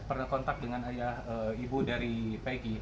pernah kontak dengan ayah ibu dari pagi